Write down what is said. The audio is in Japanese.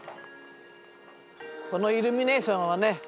このイルミネーションはね